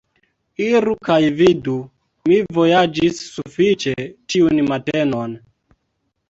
Iru kaj vidu; mi vojaĝis sufiĉe tiun matenon.